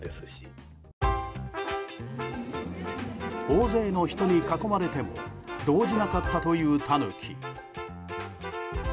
大勢の人に囲まれても動じなかったというタヌキ。